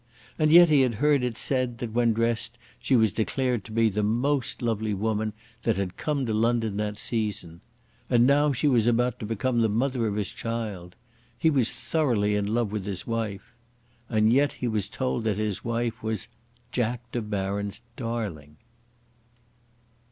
And yet he had heard it said that when dressed she was declared to be the most lovely woman that had come to London that season. And now she was about to become the mother of his child. He was thoroughly in love with his wife. And yet he was told that his wife was "Jack De Baron's darling!"